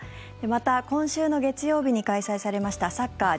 また、今週の月曜日に開催されました